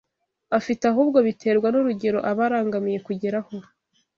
afite ahubwo biterwa n’urugero aba arangamiye kugeraho